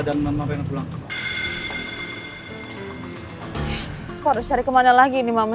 dan mereka berdua dalam keadaan baik baik saja